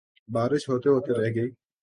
بارش ہوتے ہوتے رہ گئی